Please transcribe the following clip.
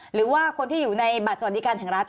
หรือว่าคนที่อยู่ในบัตรสวัสดิการแห่งรัฐ